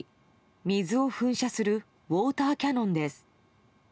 水を噴射するウォーターキャノンです。